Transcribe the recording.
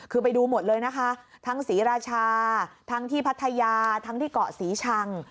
คือไปดูหมดเลยนะคะทั้งศรีราชาทั้งที่พัทยาทั้งที่เกาะศรีชัง